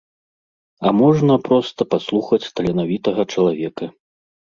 А можна проста паслухаць таленавітага чалавека.